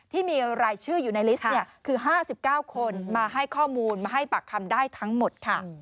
ที่มีรายชื่ออยู่ในลิสต์คือ๕๙คนมาให้ข้อมูลมาให้ปากคำได้ทั้งหมดค่ะ